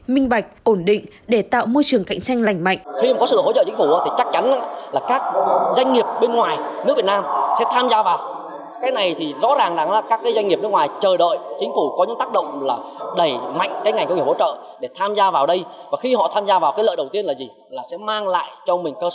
minh bạch ổn định để tạo môi trường cạnh tranh lành mạnh